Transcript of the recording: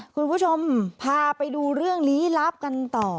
คุณผู้ชมพาไปดูเรื่องลี้ลับกันต่อ